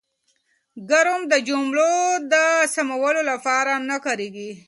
ګرامر د جملو د سموالي لپاره نه کاریږي.